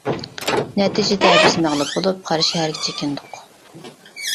نەتىجىدە، بىز مەغلۇپ بولۇپ قاراشەھەرگە چېكىندۇق.